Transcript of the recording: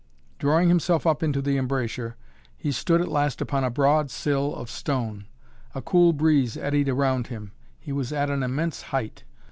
Drawing himself up into the embrasure he stood at last upon a broad sill of stone. A cool breeze eddied around him. He was at an immense height.